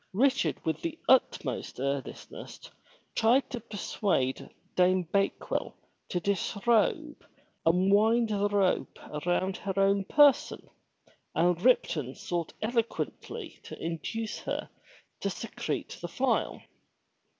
Richard with the utmost earnestness tried to persuade Dame Bakewell to disrobe and wind the rope around her own person, and Ripton sought eloquently to induce her to secrete the file.